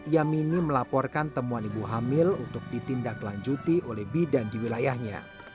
yamini melaporkan temuan ibu hamil untuk ditindaklanjuti oleh bidan di wilayahnya